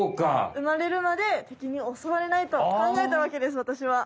うまれるまで敵に襲われないと考えたわけですわたしは。